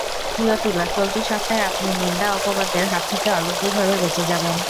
প্রিয় তুলা, চলতি সপ্তাহে আপনি নিন্দা-অপবাদের হাত থেকে অলৌকিকভাবে বেঁচে যাবেন।